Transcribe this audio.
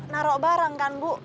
narok barang kan bu